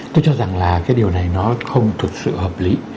tôi cho rằng là cái điều này nó không thực sự hợp lý